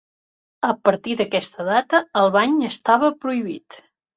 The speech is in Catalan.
A partir d'aquesta data, el bany estava prohibit.